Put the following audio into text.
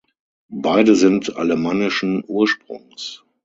Beide sind alemannischen Ursprungs.